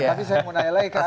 tapi saya mau nyalahi ke anda